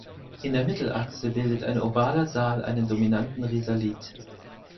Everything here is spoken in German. In der Mittelachse bildet ein ovaler Saal einen dominanten Risalit.